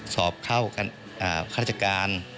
สอบเข้าข้าราชการ